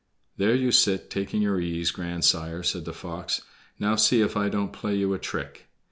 "There you sit taking your ease, grandsire," said the fox. "Now, see if I don't play you a trick."